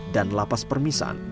dan lapas permisan